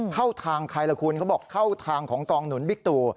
เข้าทางใครล่ะคุณเขาบอกเข้าทางของกองหนุนบิ๊กตู